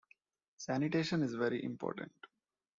Sanitation is very important.